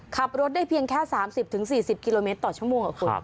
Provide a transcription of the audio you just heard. ขับรถได้เพียงแค่๓๐๔๐กิโลเมตรต่อชั่วโมงคุณ